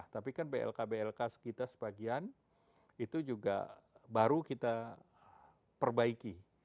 tapi kan blk blk kita sebagian itu juga baru kita perbaiki